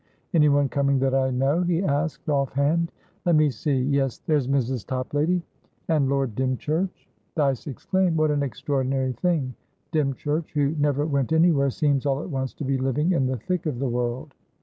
"Anyone coming that I know?" he asked, off hand. "Let me see. Yes, there's Mrs. Topladyand Lord Dymchurch" Dyce exclaimed: "What an extraordinary thing! Dymchurch, who never went anywhere, seems all at once to be living in the thick of the world.